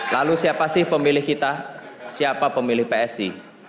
lalu siapa sih pemilih kita siapa pemilih psi